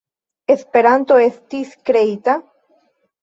Esperanto estis kreita?